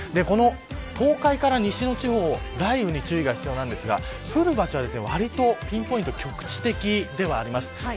東海から西の地方雷雨に注意が必要なんですが降る場所は、わりとピンポイントで局地的ではあります。